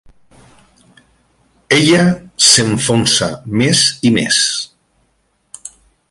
Ella s'enfonsa més i més.